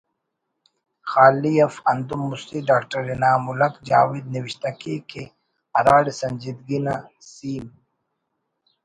خالی اف ہندن مستی ڈاکٹر انعام الحق جاوید نوشتہ کیک کہ ”ہراڑے سنجیدگی نا سیم